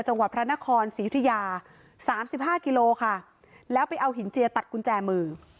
จังหวัดพระนครศรียุธิยาสามสิบห้ากิโลค่ะแล้วไปเอาหินเจียตัดกุญแจมือ